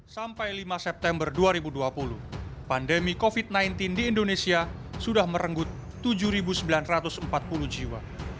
sampai lima september dua ribu dua puluh pandemi covid sembilan belas di indonesia sudah merenggut tujuh sembilan ratus empat puluh jiwa